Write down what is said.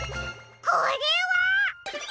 これは！？